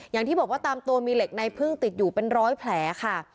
อย่างที่บอกว่าตามตัวมีเหล็กในพึ่งติดอยู่เป็นร้อยแผลค่ะ